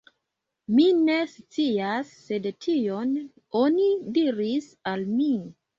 Mi ne scias, sed tion oni diris al mi.